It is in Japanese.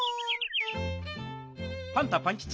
パンタパンキチ。